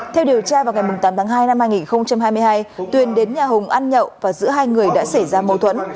theo điều tra vào ngày tám tháng hai năm hai nghìn hai mươi hai tuyền đến nhà hùng ăn nhậu và giữa hai người đã xảy ra mâu thuẫn